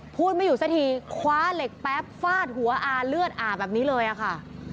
พูดไม่อยู่สักทีคว้าเหล็กแป๊บฟาดหัวอาเลือดอาบแบบนี้เลยอะค่ะ